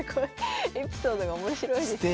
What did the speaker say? エピソードが面白いですね。